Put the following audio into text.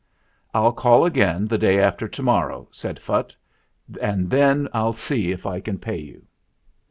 "I'll call again the day after to morrow," said Phutt, "and then I'll see if I can pay you."